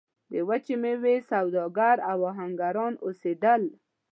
د وچې میوې سوداګر او اهنګران اوسېدل.